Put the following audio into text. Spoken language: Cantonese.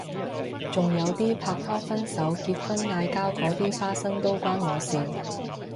仲有啲拍拖分手結婚嗌交嗰啲花生都關我事